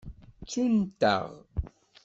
Ttun-aɣ.